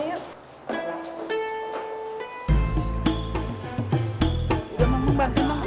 ayo pak kita liat di kedua yuk